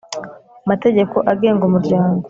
Mategeko agenga umuryango